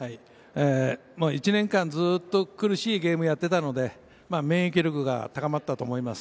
１年間ずっと苦しいゲームをやっていたので、免疫力が高まったと思います。